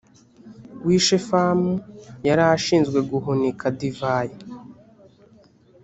w i shefamu yari ashinzwe guhunika divayi